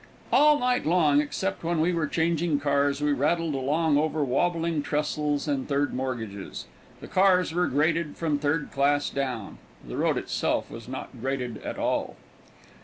All night long, except when we were changing cars, we rattled along over wobbling trestles and third mortgages. The cars were graded from third class down. The road itself was not graded at all.